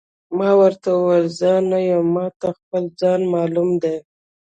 ما ورته وویل: زه نه یم، ما ته خپل ځان معلوم دی.